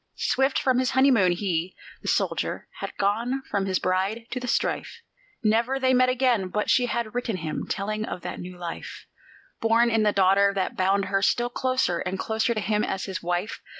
Swift from his honeymoon he, the dead soldier, had gone from his bride to the strife; Never they met again, but she had written him, telling of that new life, Born in the daughter, that bound her still closer and closer to him as his wife.